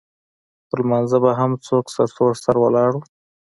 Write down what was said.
پر لمانځه به هم څوک سرتور سر ولاړ وو.